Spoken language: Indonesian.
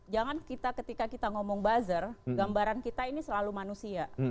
jangan ketika kita ngomong buzzer gambaran kita ini selalu manusia